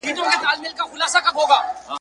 چي مساپر دي له ارغوان کړم !.